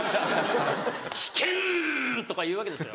「火拳！」とか言うわけですよ